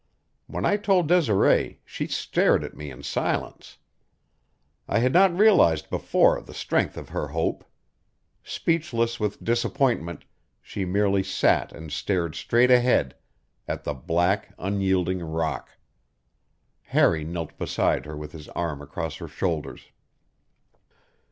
When I told Desiree she stared at me in silence! I had not realized before the strength of her hope. Speechless with disappointment, she merely sat and stared straight ahead at the black, unyielding rock. Harry knelt beside her with his arm across her shoulders.